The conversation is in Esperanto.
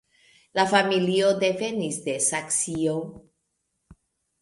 La familio devenis de Saksio.